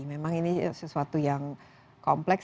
memang ini sesuatu yang kompleks